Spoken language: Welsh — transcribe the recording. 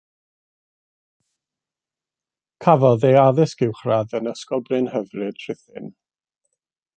Cafodd ei addysg uwchradd yn Ysgol Brynhyfryd, Rhuthun.